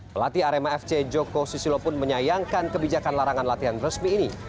pelatih arema fc joko susilo pun menyayangkan kebijakan larangan latihan resmi ini